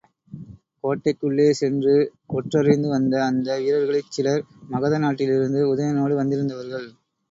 கோட்டைக்குள்ளே சென்று ஒற்றறிந்து வந்த அந்த வீரர்களிற் சிலர், மகத நாட்டிலிருந்து உதயணனோடு வந்திருந்தவர்கள்.